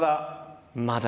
まだ？